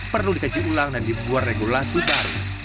perlu dikaji ulang dan dibuat regulasi baru